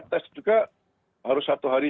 tes juga harus satu hari